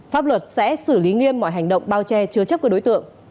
pháp luật sẽ xử lý nghiêm mọi hành động bao che chứa chấp của đối tượng